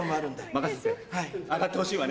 任せて上がってほしいわね。